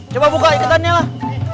coba buka ikatannya lah